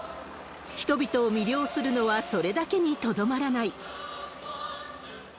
人々を魅了するのはそれだけにとどまらない。